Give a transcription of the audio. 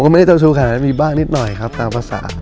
ผมก็ไม่ได้เจ้าชู้ค่ะมีบ้านิดหน่อยครับตามภาษา